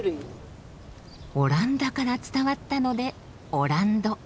オランダから伝わったので「おらんど」。